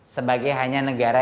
sebagai hanya negara